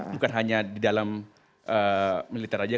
bukan hanya di dalam militer saja